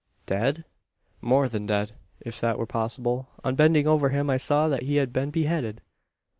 "Dead?" "More than dead; if that were possible. On bending over him, I saw that he had been beheaded!"